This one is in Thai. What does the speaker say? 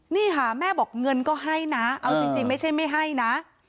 นี่ค่ะแม่บอกเงินก็ให้นะเอาจริงไม่ใช่ไม่ให้นะ